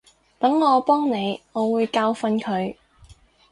等我幫你，我會教訓佢